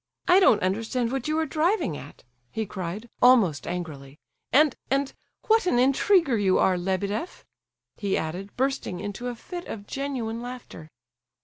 "I don't understand what you are driving at!" he cried, almost angrily, "and, and—what an intriguer you are, Lebedeff!" he added, bursting into a fit of genuine laughter.